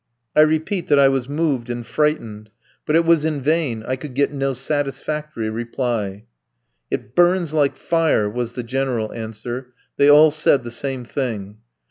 I repeat that I was moved and frightened; but it was in vain, I could get no satisfactory reply. "It burns like fire!" was the general answer; they all said the same thing.